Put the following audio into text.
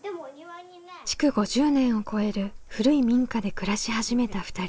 築５０年を超える古い民家で暮らし始めた２人。